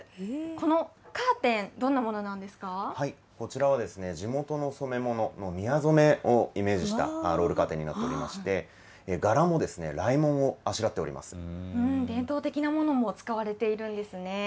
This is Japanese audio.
このカーテン、どんなものなんでこちらはですね、地元の染め物の宮染めをイメージしたロールカーテンになっておりまして、柄もですね、伝統的なものも使われているんですね。